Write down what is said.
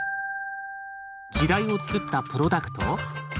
時代をつくったプロダクト？